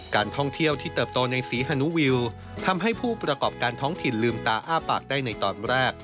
การท่องเที่ยวที่เติบโตในศรีฮานุวิวทำให้ผู้ประกอบการท้องถิ่นลืมตาอ้าปากได้ในตอนแรก